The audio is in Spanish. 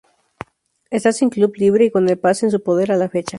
Está sin club, libre y con el pase en su poder, a la fecha.